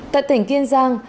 tại tỉnh kiên giang